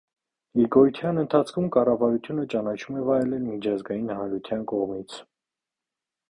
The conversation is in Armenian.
Իր գոյության ընթացքում կառավարությունը ճանաչում է վայելել միջազգային հանրության կողմից։